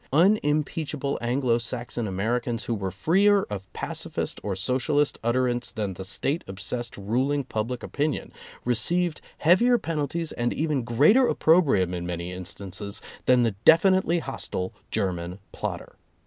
Unimpeachable Anglo Saxon Americans who were freer of pacifist or socialist utterance than the State obsessed ruling public opinion, received heavier penalties and even greater opprobrium, in many instances, than the definitely hostile German plotter.